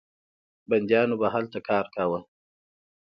بندیانو به هلته کار کاوه.